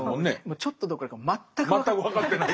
ちょっとどころか全く分かってない。